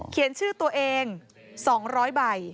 เขียนชื่อตัวเอง๒๐๐ใบ